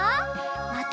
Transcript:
また。